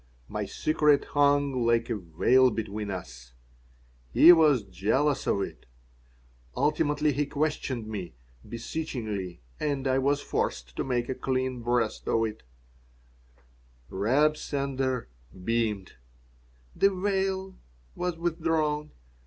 My secret hung like a veil between us. He was jealous of it. Ultimately he questioned me, beseechingly, and I was forced to make a clean breast of it Reb Sender beamed. The veil was withdrawn.